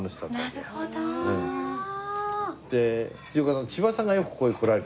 藤岡さん千葉さんがよくここへ来られた？